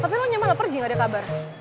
tapi lo nyaman lo pergi gak ada kabar